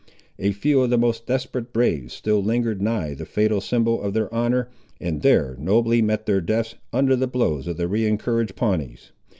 A few of the most desperate braves still lingered nigh the fatal symbol of their honour, and there nobly met their deaths, under the blows of the re encouraged Pawnees.